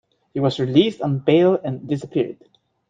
He was released on bail and disappeared.